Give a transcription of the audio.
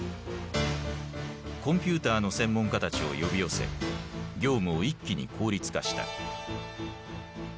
コンピューターの専門家たちを呼び寄せ業務を一気に効率化した。